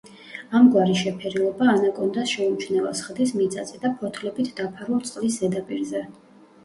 ამგვარი შეფერილობა ანაკონდას შეუმჩნეველს ხდის მიწაზე და ფოთლებით დაფარულ წყლის ზედაპირზე.